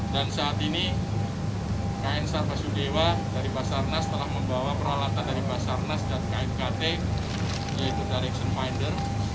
dan saat ini kn sarsadewa dari basarnas telah membawa peralatan dari basarnas dan knkt yaitu direction finder